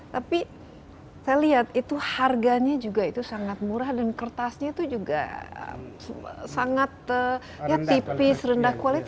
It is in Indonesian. tapi saya lihat itu harganya juga itu sangat murah dan kertasnya itu juga sangat ya tipis rendah kualitas